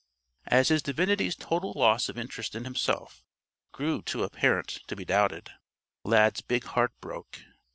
As his divinity's total loss of interest in himself grew too apparent to be doubted, Lad's big heart broke.